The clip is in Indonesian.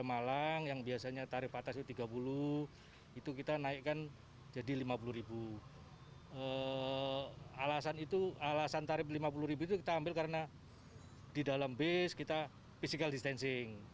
alasan itu alasan tarif rp lima puluh itu kita ambil karena di dalam bis kita physical distancing